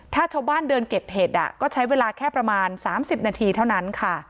ถ้าชาวบ้านเดินเก็บเห็ดก็ใช้เวลาแค่ประมาณ๓๐นาทีเท่านั้นค่ะ